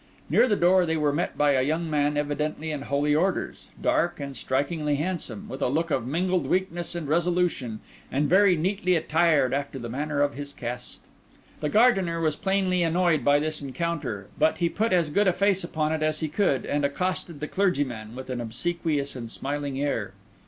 Near the door they were met by a young man evidently in holy orders, dark and strikingly handsome, with a look of mingled weakness and resolution, and very neatly attired after the manner of his caste. The gardener was plainly annoyed by this encounter; but he put as good a face upon it as he could, and accosted the clergyman with an obsequious and smiling air.